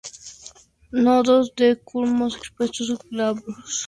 Nodos de culmos expuestos; glabros.